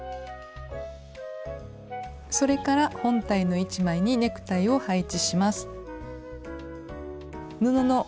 それから本体の１枚にネクタイを配置します。